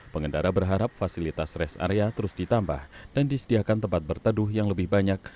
pengendara berharap fasilitas rest area terus ditambah dan disediakan tempat berteduh yang lebih banyak